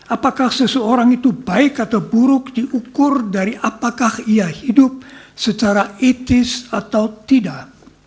apakah seseorang itu baik atau buruk diukur dari apakah ia hidup secara etis atau tidak